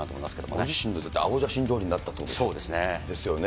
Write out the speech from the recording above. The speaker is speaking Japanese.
ご自身の青写真どおりになっそうですね。